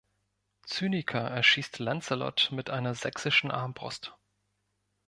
Zyniker erschießt Lancelot mit einer sächsischen Armbrust.